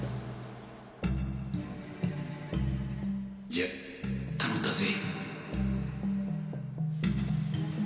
じゃあ頼んだぜ。